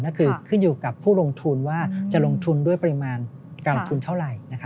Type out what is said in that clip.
ก็คือขึ้นอยู่กับผู้ลงทุนว่าจะลงทุนด้วยปริมาณกองทุนเท่าไหร่